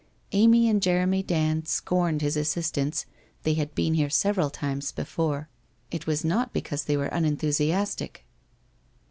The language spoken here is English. Amy and Jeremy Dand scorned his assistance, they had been here several times before. It was not because they were unenthusiastic.